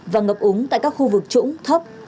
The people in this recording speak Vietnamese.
và ngập úng tại các khu vực trũng thấp